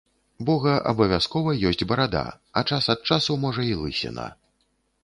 Бога абавязкова ёсць барада, а час ад часу, можа, і лысіна.